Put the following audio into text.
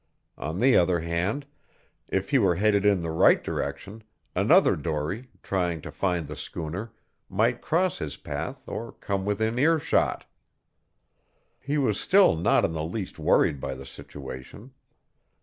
On the other hand, if he were headed in the right direction, another dory, trying to find the schooner, might cross his path or come within earshot. He was still not in the least worried by the situation.